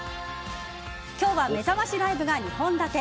今日はめざましライブが２本立て。